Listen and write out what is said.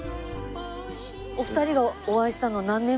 お二人がお会いしたのは何年前ですか？